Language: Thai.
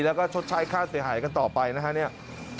แล้วก็ชดใช้ค่าเสียหายกันต่อไปนะฮะเนี่ย